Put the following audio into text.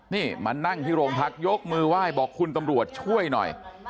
นี่มานั่งที่โรงพักยกมือไหว้บอกคุณตำรวจช่วยหน่อย